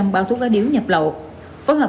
bao thuốc lá điếu nhập lậu phối hợp